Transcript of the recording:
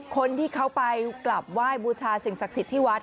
คนที่เขาไปกลับไหว้บูชาสิ่งศักดิ์สิทธิ์ที่วัด